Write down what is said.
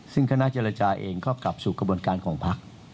ซึ่งคณะเจรจาเองก็กลับสู่กระบวนการของพัก